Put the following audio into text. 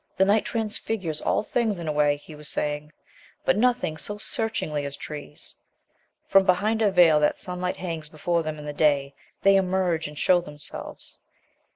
"The Night transfigures all things in a way," he was saying; "but nothing so searchingly as trees. From behind a veil that sunlight hangs before them in the day they emerge and show themselves.